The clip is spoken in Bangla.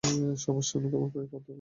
সবার সামনে তোমার পায়ে পড়তে হবে?